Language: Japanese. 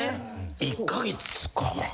１カ月か。